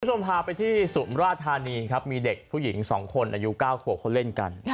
ผู้ชมพาไปที่สุมราชธานีครับมีเด็กผู้หญิงสองคนอายุเก้าขวบคนเล่นกัน